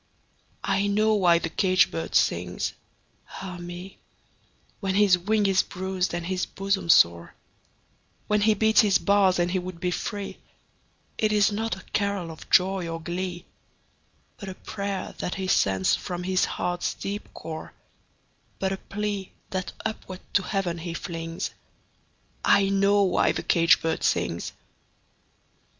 I know why the caged bird sings, ah me, When his wing is bruised and his bosom sore, When he beats his bars and he would be free; It is not a carol of joy or glee, But a prayer that he sends from his heart's deep core, But a plea, that upward to Heaven he flings I know why the caged bird sings!